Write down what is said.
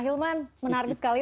hilman menarik sekali